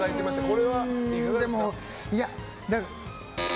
これはいかがですか？